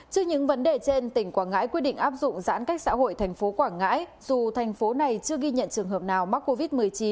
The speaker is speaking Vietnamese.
trước những vấn đề trên tp quảng ngãi quyết định áp dụng giãn cách xã hội tp quảng ngãi dù tp này chưa ghi nhận trường hợp nào mắc covid một mươi chín